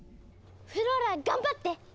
フローラ頑張って！